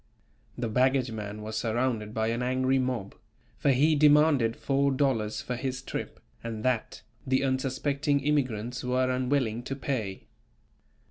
The baggage man was surrounded by an angry mob, for he demanded four dollars for his trip, and that, the unsuspecting immigrants were unwilling to pay.